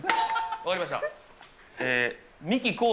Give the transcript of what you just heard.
分かりました。